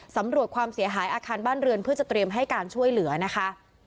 สำรวจความเสียหายอาคารบ้านเรือนเพื่อจะเตรียมให้การช่วยเหลือนะคะ